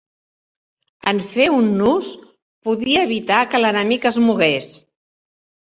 En fer un nus, podia evitar que l'enemic es mogués.